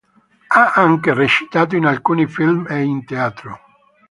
Ha anche recitato in alcuni film e in teatro.